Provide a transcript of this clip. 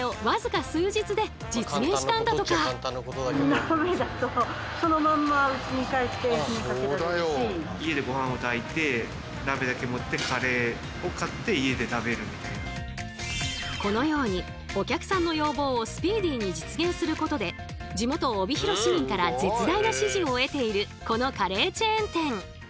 そこでこれをこのようにお客さんの要望をスピーディーに実現することで地元帯広市民から絶大な支持を得ているこのカレーチェーン店。